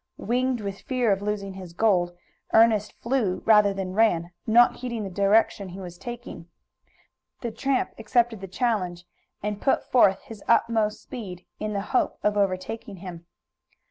Winged with fear of losing his gold, Ernest flew rather than ran, not heeding the direction he was taking. The tramp accepted the challenge and put forth his utmost speed in the hope of overtaking him.